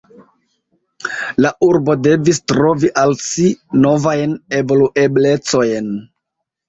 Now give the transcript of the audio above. La urbo devis trovi al si novajn evolueblecojn.